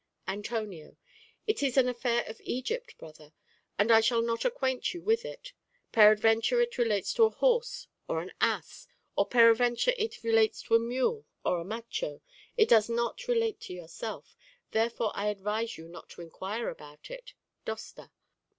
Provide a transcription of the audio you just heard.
Antonio It is an affair of Egypt, brother, and I shall not acquaint you with it; peradventure it relates to a horse or an ass, or peradventure it relates to a mule or a macho; it does not relate to yourself, therefore I advise you not to inquire about it Dosta.